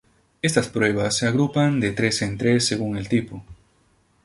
Estas pruebas se agrupan de tres en tres según el tipo.